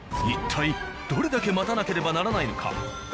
一体どれだけ待たなければならないのか。